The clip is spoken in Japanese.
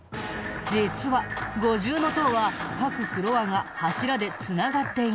実は五重塔は各フロアが柱で繋がっていない。